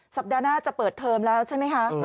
สัปดาห์หน้าจะเปิดเทอมแล้วใช่ไหมคะ